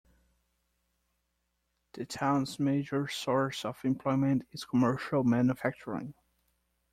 The town's major source of employment is commercial manufacturing.